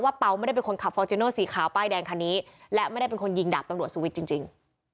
เป๋าไม่ได้เป็นคนขับฟอร์จิโนสีขาวป้ายแดงคันนี้และไม่ได้เป็นคนยิงดาบตำรวจสุวิทย์จริง